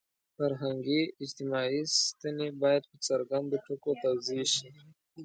فرهنګي – اجتماعي ستنې باید په څرګندو ټکو توضیح شي.